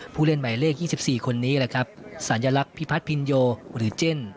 ผู้เล่นหมายเลข๒๔คนนี้แหละครับสัญลักษณ์พิพัฒนพินโยหรือเจน